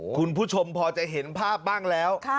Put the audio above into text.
คุณผู้ชมพอจะเห็นภาพบ้างแล้ว